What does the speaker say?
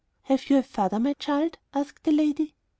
"Have you a father, my child?" asked the lady.